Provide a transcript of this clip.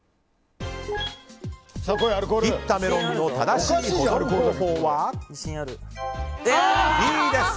切ったメロンの正しい保存方法はＢです！